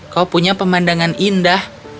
kau punya pemandangan indah